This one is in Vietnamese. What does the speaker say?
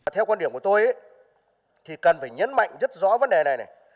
theo quan điểm của tôi thì cần phải nhấn mạnh rất rõ vấn đề này này